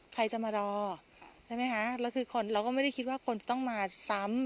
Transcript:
ใครจะมารอใช่ไหมคะแล้วคือคนเราก็ไม่ได้คิดว่าคนจะต้องมาซ้ำ